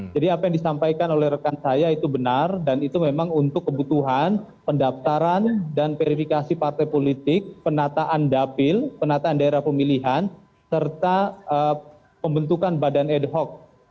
jadi apa yang disampaikan oleh rekan saya itu benar dan itu memang untuk kebutuhan pendaftaran dan verifikasi partai politik penataan dapil penataan daerah pemilihan serta pembentukan badan ad hoc